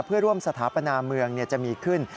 เพื่อร่วมสถาปนาเมืองจะมีขึ้น